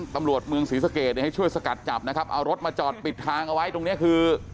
ตำรวจเมืองศรีสะเกดเนี่ยให้ช่วยสกัดจับนะครับเอารถมาจอดปิดทางเอาไว้ตรงนี้คือ